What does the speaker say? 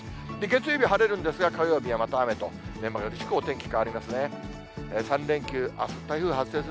月曜日晴れるんですが、火曜日はまた雨と、目まぐるしく、お天気